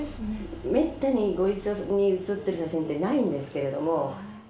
ご一緒に写ってる写真ってめったにないんですけれども。